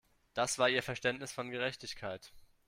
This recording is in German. Das war ihr Verständnis von Gerechtigkeit.